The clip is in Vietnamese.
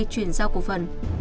chuyển giao cổ phần